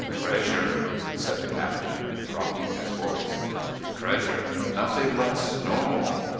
"Treasure," said the Captain, dropping his voice. "Treasure, nothing less nor more.